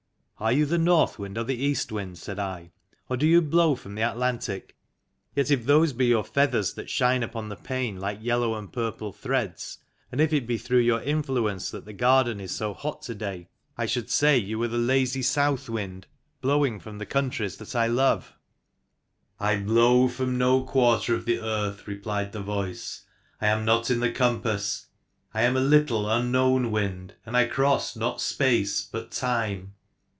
"Are you the North Wind or the East Wind?" said I. " Or do you blow from the Atlantic? Yet if those be your feathers that shine upon the pane like yellow and purple threads, and if it be through your influence that the garden is so hot to day, I should say you were the lazy South Wind, blowing from the countries that I love." " I blow from no quarter of the Earth," replied the voice. " I am not in the compass. I am a little un known Wind, and I cross not Space but Time.